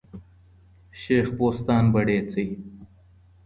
شيخ بستان بړېڅى